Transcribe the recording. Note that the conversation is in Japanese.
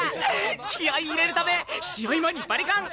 気合い入れるため試合前にバリカン！？